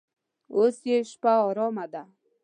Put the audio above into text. اوس یې شپه ارامه ده.